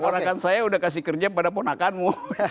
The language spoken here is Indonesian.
purnakan saya udah kasih kerja pada punakanmu